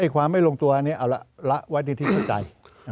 ความไม่ลงตัวอันนี้เอาละละไว้ในที่เข้าใจ